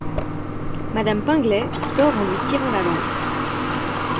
Madame Pinglet sort en lui tirant la langue.